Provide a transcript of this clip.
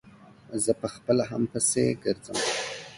زه په خپله هم پسې ګرځم.